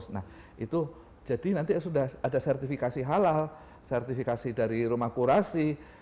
nah itu jadi nanti sudah ada sertifikasi halal sertifikasi dari rumah kurasi